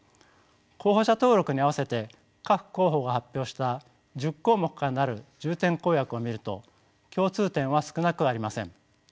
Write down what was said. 候補者登録に合わせて各候補が発表した１０項目から成る重点公約を見ると共通点は少なくありません。